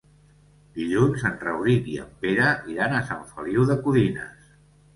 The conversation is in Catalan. Dilluns en Rauric i en Pere iran a Sant Feliu de Codines.